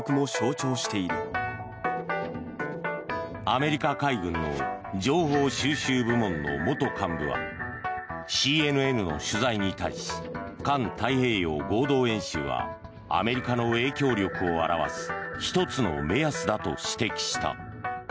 アメリカ海軍の情報収集部門の元幹部はＣＮＮの取材に対し環太平洋合同演習はアメリカの影響力を表す１つの目安だと指摘した。